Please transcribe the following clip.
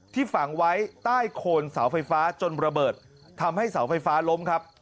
ฝังไว้ใต้โคนเสาไฟฟ้าจนระเบิดทำให้เสาไฟฟ้าล้มครับ